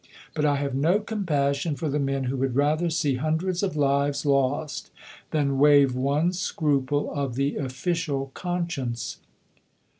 But I have no compassion for the men who would rather see hundreds of lives lost than waive one scruple of the official conscience.